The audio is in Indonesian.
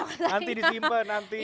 nanti disimpan nanti